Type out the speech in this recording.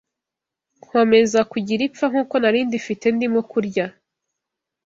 nkomeza kugira ipfa nk’uko nari ndifite ndimo kurya